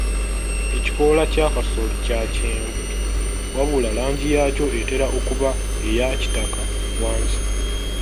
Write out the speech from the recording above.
Ekikoola kya kasooli kya kyenvu wabula langi yaakyo etera okuba eya kitaka wansi.